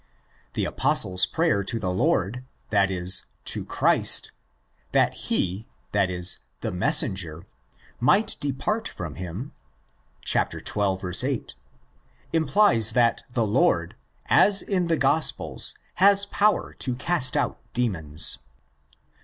The Apostle's prayer to the Lord—that is, to Christ—that he (the "" messenger '') might depart from him (xii. 8) implies that the Lord, as in the Gospels, has power to cast out demons.